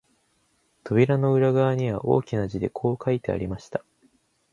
扉の裏側には、大きな字でこう書いてありました